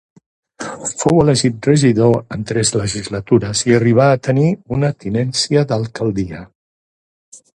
Fou elegit regidor en tres legislatures i arribà a tenir una tinència d'alcaldia.